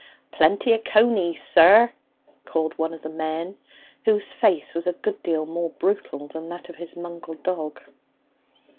'Plenty o' conies, sir!' called one of the men, whose face was a good deal more brutal than that of his mongrel dog.